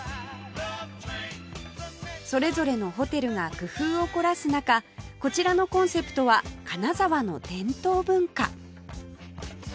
それぞれのホテルが工夫を凝らす中こちらのコンセプトは金沢の伝統文化